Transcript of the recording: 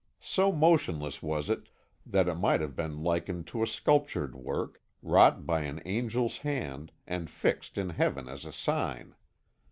So motionless was it that it might have been likened to a sculptured work, wrought by an angel's hand, and fixed in heaven as a sign.